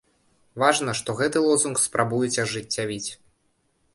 Важна, што гэты лозунг спрабуюць ажыццявіць.